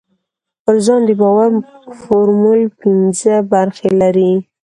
پر ځان د باور فورمول پينځه برخې لري.